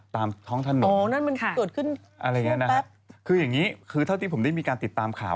ตามท้องท่านหนดนะครับอะไรอย่างนี้นะครับคืออย่างนี้คือเท่าที่ผมได้มีการติดตามข่าว